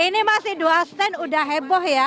ini masih dua stand udah heboh ya